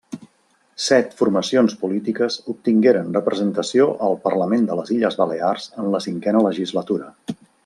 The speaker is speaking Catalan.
Set formacions polítiques obtingueren representació al Parlament de les Illes Balears en la Cinquena Legislatura.